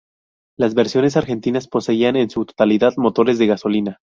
Las versiones argentinas poseían en su totalidad motores de gasolina.